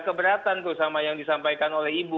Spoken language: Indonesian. keberatan tuh sama yang disampaikan oleh ibu